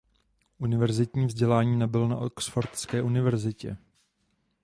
Univerzitní vzdělání nabyl na Oxfordské univerzitě.